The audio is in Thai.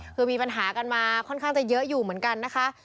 คือมีปัญหากันมาค่อนข้างจะเยอะอยู่เหมือนกันนะคะ